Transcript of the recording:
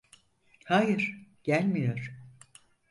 Hayır, gelmiyor.